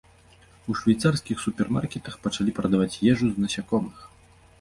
У швейцарскіх супермаркетах пачалі прадаваць ежу з насякомых.